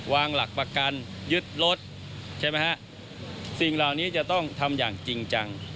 วางหลักประกันยึดรถสิ่งเหล่านี้จะต้องทำอย่างจริงจัง